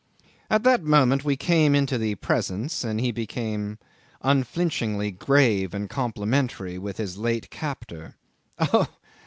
At that moment we came into the presence, and he became unflinchingly grave and complimentary with his late captor. Oh!